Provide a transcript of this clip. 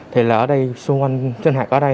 thì là ở đây xung quanh chân hạt ở đây